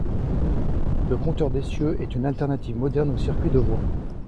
Le compteur d'essieux est une alternative moderne au circuit de voie.